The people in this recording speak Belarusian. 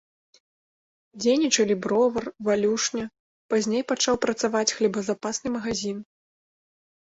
Дзейнічалі бровар, валюшня, пазней пачаў працаваць хлебазапасны магазін.